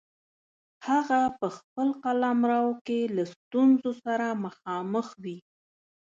هغه په خپل قلمرو کې له ستونزو سره مخامخ وي.